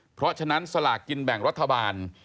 เพราะฉะนั้นสลากกินแบ่งรัฐบาล